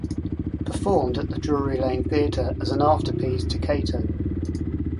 Performed at the Drury Lane Theatre as an afterpiece to Cato.